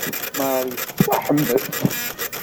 Marie tettwaḥemmel.